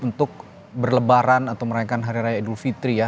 untuk berlebaran atau merayakan hari raya idul fitri ya